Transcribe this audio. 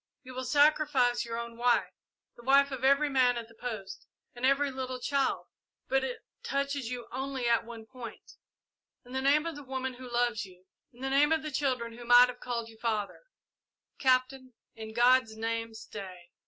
You will sacrifice your own wife, the wife of every man at the post, and every little child, but it touches you only at one point. In the name of the woman who loves you in the name of the children who might have called you father Captain in God's name stay!"